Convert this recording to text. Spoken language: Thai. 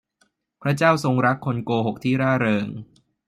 พระเจ้าทรงรักคนโกหกที่ร่าเริง